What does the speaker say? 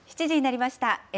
７時になりました。